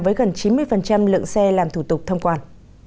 với gần chín mươi lượng xe làm thủ tục thông quan